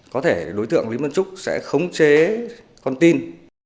có thể đối tượng lý văn trúc sẽ khống chế con tin